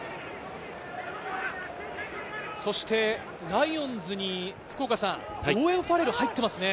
そしてライオンズにオーウェン・ファレルが入っていますね。